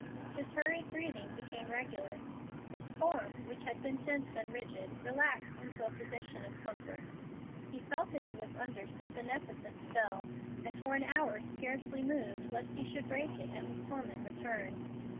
His hurried breathing became regular; his hands unclinched; his form, which had been tense and rigid, relaxed into a position of comfort. He felt that he was under some beneficent spell, and for an hour scarcely moved lest he should break it and his torment return.